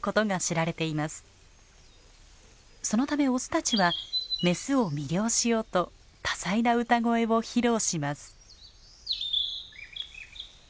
そのためオスたちはメスを魅了しようと多彩な歌声を披露します。